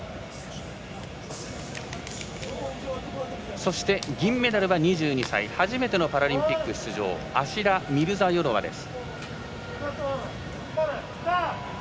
そして、銀メダルは２２歳初めてのパラリンピック出場アシラ・ミルザヨロワです。